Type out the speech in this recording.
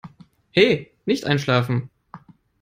He, nicht einschlafen.